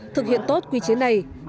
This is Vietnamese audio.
thực hiện tốt quy chế này